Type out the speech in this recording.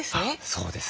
そうですね。